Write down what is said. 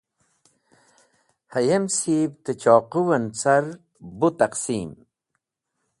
Hayem sib te choqũw en car bu taqsim.